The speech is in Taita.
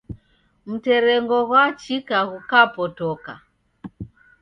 Mterengo gwachika ghukapotoka